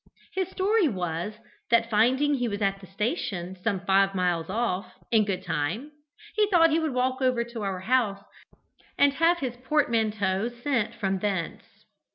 His story was, that, finding that he was at the station, some five miles off, in good time, he thought he would walk over to our house and have his portmanteau sent for from thence.